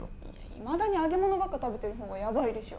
いまだに揚げ物ばっか食べてる方がやばいでしょ。